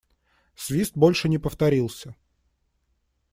Свист больше не повторился.